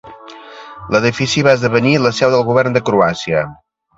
L'edifici va esdevenir la seu del Govern de Croàcia.